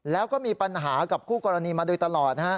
แล้วก็มีปัญหากับคู่กรณีมาโดยตลอด